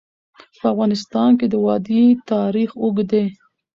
په افغانستان کې د وادي تاریخ اوږد دی.